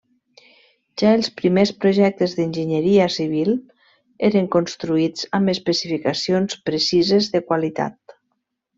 Ja els primers projectes d'enginyeria civil eren construïts amb especificacions precises de qualitat.